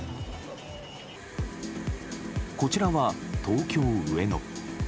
こちらは、東京・上野。